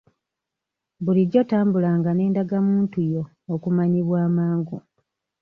Bulijjo tambulanga n'endagamuntu yo okumanyibwa amangu.